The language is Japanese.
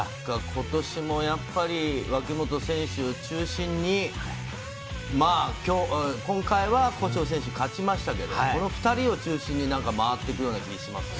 今年も、やっぱり脇本選手を中心に、今回は古性選手が勝ちましたけど、この２人を中心に回っていくような気がしますね。